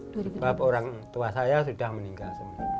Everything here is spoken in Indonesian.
sebab orang tua saya sudah meninggal